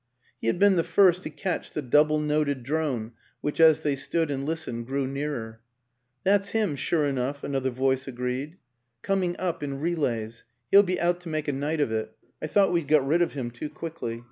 He had been the first to catch the double noted drone which as they stood and listened grew nearer. " That's him, sure enough," another voice agreed. " Coming up in relays. He'll be out to make a night of it I thought we'd got rid of him too quickly."